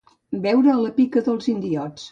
Beure a la pica dels indiots.